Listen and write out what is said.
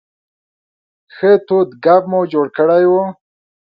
ښه تود ګپ مو جوړ کړی و.